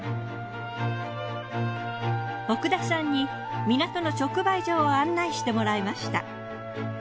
奥田さんに港の直売所を案内してもらいました。